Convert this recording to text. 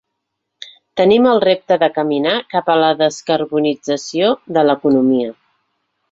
Tenim el repte de caminar cap a la descarbonització de l’economia.